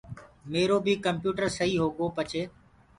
ميرو بي ڪمپِيوٽر سئيٚ هوگو پڇي